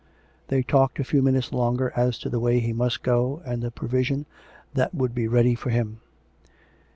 They talked a few minutes longer as to the way he must go and the provision that would be ready for him.